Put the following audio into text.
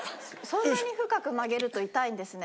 そんなに深く曲げると痛いんですね。